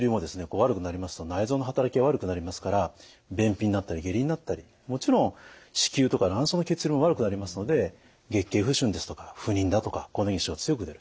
悪くなりますと内臓の働きが悪くなりますから便秘になったり下痢になったりもちろん子宮とか卵巣の血流も悪くなりますので月経不順ですとか不妊だとか更年期症状が強く出る。